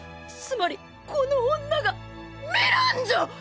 つまりこの女がミランジョ！